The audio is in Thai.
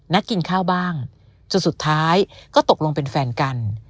กินข้าวบ้างจนสุดท้ายก็ตกลงเป็นแฟนกัน